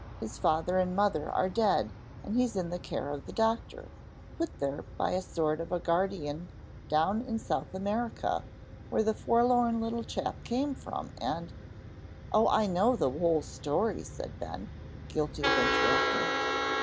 His father and mother are dead, and he's in the care of the Doctor. Put there by a sort of a guardian down in South America, where the forlorn little chap came from, and " "Oh, I know that whole story," said Ben, guilty of interrupting.